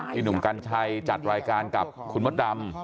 หนุ่มกัญชัยจัดรายการกับคุณมดดำ